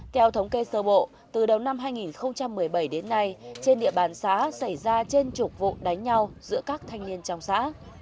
theo thống kê sơ bộ từ đầu năm hai nghìn một mươi bảy đến nay trên địa bàn xã xảy ra trên chục vụ đánh nhau giữa các thanh niên trong xã